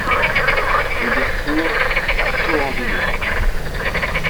Rue d'Ercourt à Tours-en-Vimeu